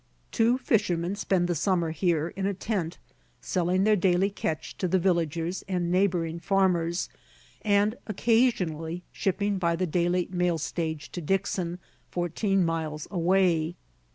Two fishermen spend the summer here, in a tent, selling their daily catch to the villagers and neighboring farmers and occasionally shipping by the daily mail stage to Dixon, fourteen miles away.